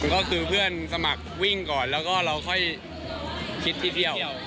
ก็คือเพื่อนสมัครวิ่งก่อนแล้วก็เราค่อยคิดที่เที่ยว